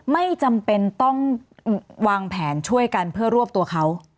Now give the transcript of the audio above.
ไม่จำเป็นต้องวางแผนช่วยกันเพื่อรวบตัวเขา